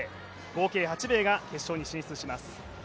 合計８名が決勝に進出します。